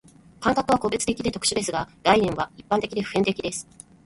感覚は個別的で特殊ですが、概念は一般的で普遍的です。